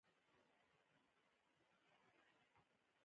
زموږ هیواد افغانستان په ویاړ سره د نورستان ولایت کوربه دی.